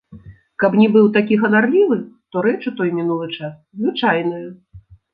Каб не быў такі ганарлівы, то рэч у той мінулы час звычайная.